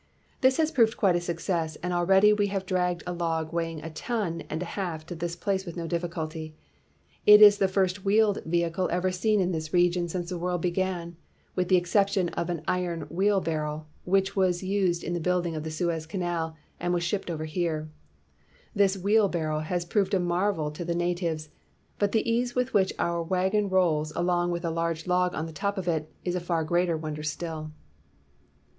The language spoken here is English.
This has proved quite a success, and already we have dragged a log weighing a ton and a half to this place with no difficulty. It is the first wheeled vehicle ever seen in this region since the world began, with the ex ception of an iron wheelbarrow which was 262 HE LAYS DOWN HIS TOOLS used in the building of the Suez Canal, and was shipped over here. This wheelbarrow has proved a marvel to the natives ; but the ease with which our wagon rolls along with a large log on the top of it, is a far greater wonder still."